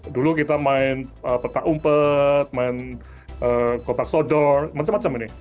dulu kita main petak umpet main kotak sodor macam macam ini